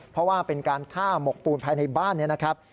เพราะว่าเป็นการฆ่าหมกปูนภายในบ้านนี้นะครับ